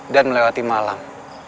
dan melewati malam